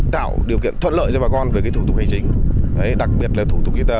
tạo điều kiện thuận lợi cho bà con về thủ tục hành chính đặc biệt là thủ tục y tế